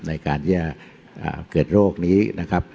ในการเกิดโรคนี้นะครับ